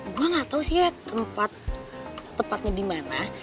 gue gak tau sih ya tempatnya dimana